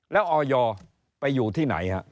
แล้วออยไปอยู่ที่ไหนฮะ